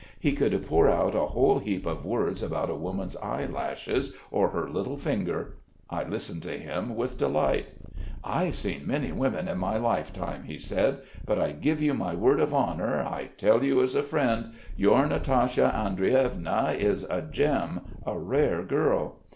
He could pour out a whole heap of words about a woman's eyelashes or her little finger. I listened to him with delight. "'I've seen many women in my life time;' he said, 'but I give you my word of honour, I tell you as a friend, your Natasha Andreevna is a gem, a rare girl!